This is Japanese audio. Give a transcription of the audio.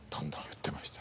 言ってました。